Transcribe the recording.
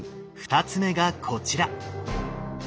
２つ目がこちら。